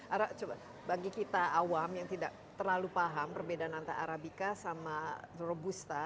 arak coba bagi kita awam yang tidak terlalu paham perbedaan antara arabica sama robusta